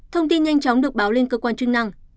thông tin nhanh chóng được báo lên cơ quan chức năng